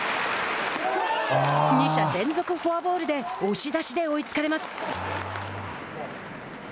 ２者連続フォアボールで押し出しで追いつかれます。